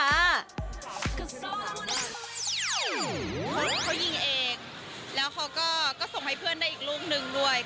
เขายิงเองแล้วเขาก็ส่งให้เพื่อนได้อีกลูกนึงด้วย